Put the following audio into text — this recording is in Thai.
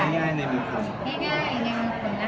ง่ายงั้ยมื่นคุณนะคะทุกทีค่ะ